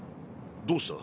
どうした？